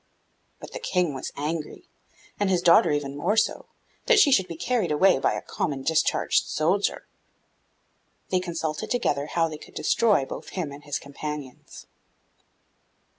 But the King was angry, and his daughter even more so, that she should be carried away by a common, discharged soldier. They consulted together how they could destroy both him and his companions.